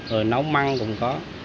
rồi nấu măng cũng có